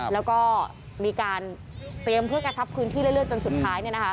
แล้วก็มีการเตรียมเพื่อกระชับพื้นที่เรื่อยจนสุดท้าย